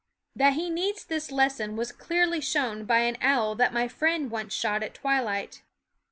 That he needs this lesson was clearly shown by an owl that my friend once shot at twilight.